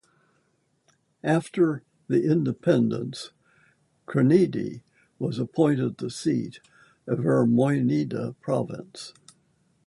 After the independence Kranidi was appointed the seat of Ermionida province.